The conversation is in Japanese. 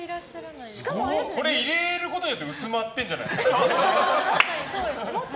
これ入れることで薄まってるんじゃないですか。